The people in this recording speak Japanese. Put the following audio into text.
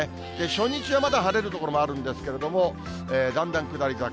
初日はまだ晴れる所もあるんですけれども、だんだん下り坂。